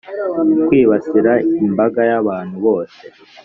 kwibasira imbaga y’ abantu bose